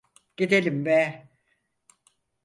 Gidelim be!